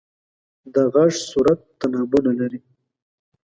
د غږ صورت تنابونه لري.